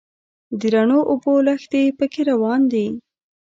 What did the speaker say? د رڼو اوبو لښتي په کې روان دي.